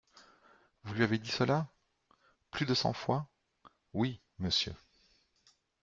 Vous lui aviez dit cela ? Plus de cent fois, oui, monsieur.